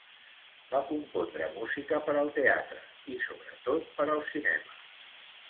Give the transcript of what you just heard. Va compondre música per al teatre i sobretot per al cinema.